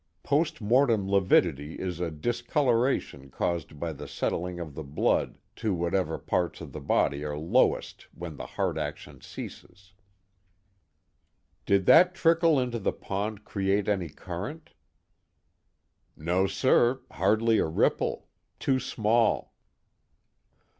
Post mortem lividity is a discoloration caused by the settling of the blood to whatever parts of the body are lowest when the heart action ceases." "Did that trickle into the pond create any current?" "No, sir, hardly a ripple. Too small."